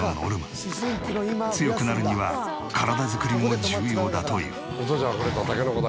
強くなるには体作りも重要だという。